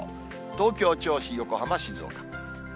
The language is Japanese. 東京、銚子、横浜、静岡。